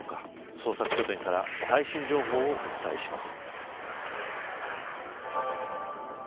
捜索拠点から最新情報をお伝えします。